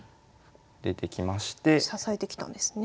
支えてきたんですね。